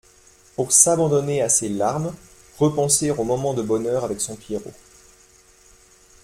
pour s’abandonner à ses larmes, repenser aux moments de bonheur avec son Pierrot